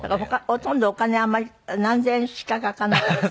ほとんどお金あんまり何千円しかかかんなかった。